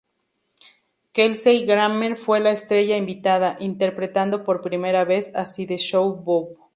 Kelsey Grammer fue la estrella invitada, interpretando por primera vez a Sideshow Bob.